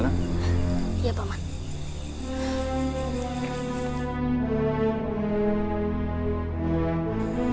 iya pak man